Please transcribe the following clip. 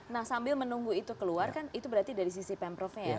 nah sambil menunggu itu keluar kan itu berarti dari sisi pemprovnya ya